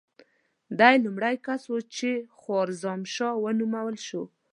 ده لومړی کس و چې خوارزم شاه ونومول شو.